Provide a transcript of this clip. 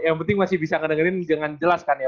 yang penting masih bisa ngedengerin jangan jelaskan ya